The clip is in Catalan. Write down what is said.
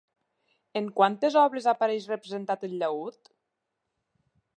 En quantes obres apareix representat el llaüt?